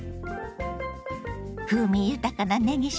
風味豊かなねぎ塩